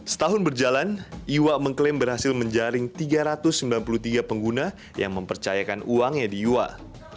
setahun berjalan iwa mengklaim berhasil menjaring tiga ratus sembilan puluh tiga pengguna yang mempercayakan uangnya di iwal